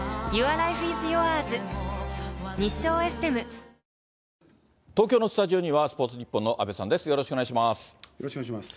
このあと、東京のスタジオには、スポーツニッポンの阿部さんです。